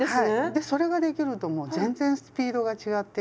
でそれができるともう全然スピードが違ってきて。